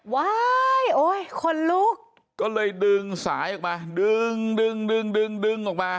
ว้ายโอ้ยคนลุกก็เลยดึงสายออกมาดึงดึงดึงดึงดึงออกมา